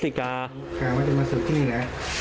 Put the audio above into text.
สิกาจะมาศึกที่นี่แหละ